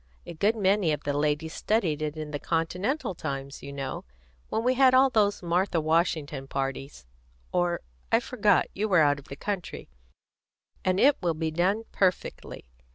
A good many of the ladies studied it in the Continental times, you know, when we had all those Martha Washington parties or, I forgot you were out of the country and it will be done perfectly.